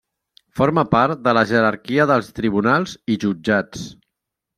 Forma part de la jerarquia dels tribunals i jutjats.